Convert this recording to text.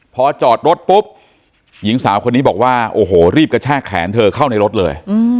พอจอดรถปุ๊บหญิงสาวคนนี้บอกว่าโอ้โหรีบกระชากแขนเธอเข้าในรถเลย